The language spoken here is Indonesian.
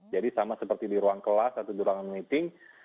jadi sama seperti di ruang kelas atau di ruang meeting